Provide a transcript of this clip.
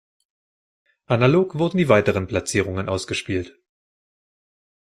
Analog wurden die weiteren Platzierungen ausgespielt.